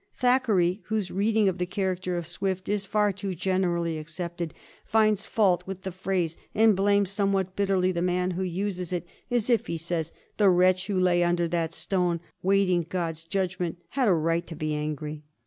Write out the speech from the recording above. Thackeray, whose reading of the character of Swift is far too generally accepted, finds fault with the phrase, and blames somewhat bitterly the man who uses it, " as if," he says, " the wretch who lay under that stone waiting God*s judgment had a right to be angry."